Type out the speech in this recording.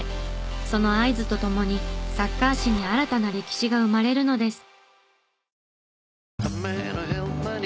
その合図と共にサッカー史に新たな歴史が生まれるのです。